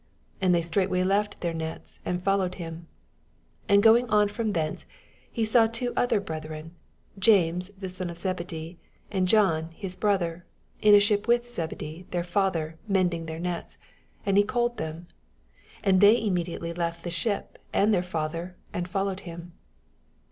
20 And they straightway left thdr nets, and followed him. 21 And going on from thence, he saw other two brethren, James ihs son of Zebedee, and John his brother, in a ship with Zebedee their father, mending their nets ; and he oallea them. 22 And they immediately left th« ship and their &ther, and followed him.